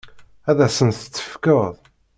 Ad asent-tt-tefkeḍ?